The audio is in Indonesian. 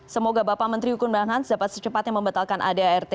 semoga bapak menteri hukum dan hans dapat secepatnya membatalkan adart